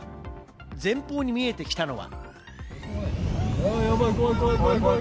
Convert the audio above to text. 前方に見えてきたのは。